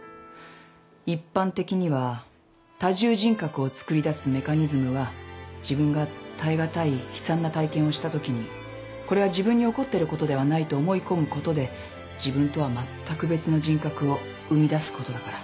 一般的には多重人格をつくり出すメカニズムは自分が耐え難い悲惨な体験をしたときに「これは自分に起こってることではない」と思い込むことで自分とはまったく別の人格を生み出すことだから。